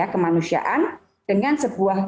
kemanusiaan dengan sebuah